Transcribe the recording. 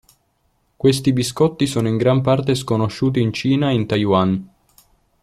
Questi biscotti sono in gran parte sconosciuti in Cina e in Taiwan.